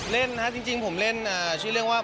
เล่นนะครับจริงผมเล่นชื่อเรื่องว่า